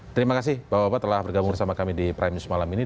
terima kasih bapak bapak telah bergabung bersama kami di prime news malam ini